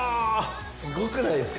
すごくないですか？